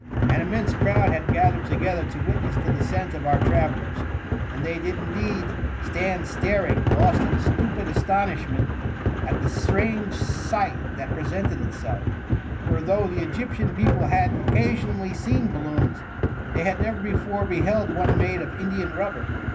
'' An immense crowd had gathered together to K 2 196 tHE MUMMY. witness the descent of our travellers, and they did indeed stand staring^ lost in stupid astonish ment at the strange sight that presented itself ; for though the Egyptian people had occasion ally seen balloons, they had never before beheld one made of Indian rubber.